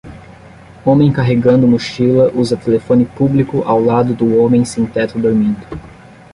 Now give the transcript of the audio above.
homem carregando mochila usa telefone público ao lado do homem sem-teto dormindo.